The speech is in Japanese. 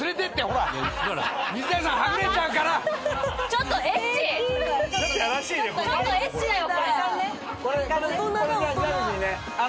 ちょっとエッチだよ。